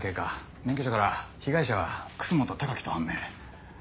免許証から被害者は楠本貴喜と判明。